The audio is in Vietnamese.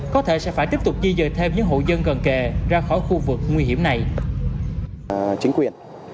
có thể sẽ phải tiếp tục di dời thêm những hộ dân gần kề ra khỏi khu vực nguy hiểm này